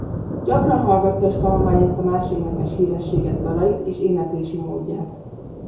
Gyakran hallgatta és tanulmányozta más énekes hírességek dalait és éneklési módját.